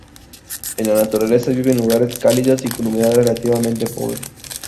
En la naturaleza vive en lugares cálidos y con humedad relativamente pobre.